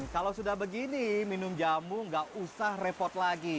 kalau sudah begini minum jamu nggak usah repot lagi